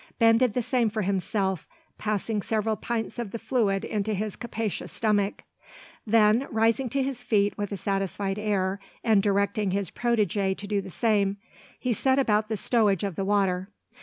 Ben did the same for himself, passing several pints of the fluid into his capacious stomach. Then rising to his feet with a satisfied air, and directing his protege to do the same, he set about the stowage of the water.